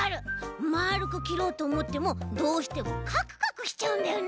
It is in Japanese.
まるくきろうとおもってもどうしてもカクカクしちゃうんだよね。